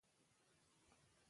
قيمت √ بيه